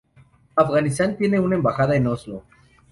Afganistán tiene una embajada en Oslo.